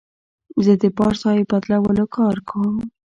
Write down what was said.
زه د بار ځای بدلولو کار کوم.